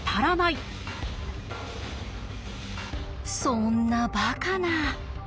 そんなバカな。